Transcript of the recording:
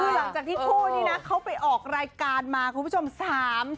คือหลังจากที่คู่นี้นะเขาไปออกรายการมาคุณผู้ชม